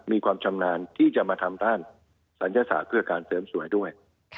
มีความชำนาญที่จะมาทำด้านศัลยศาสตร์เพื่อการเสริมสวยด้วย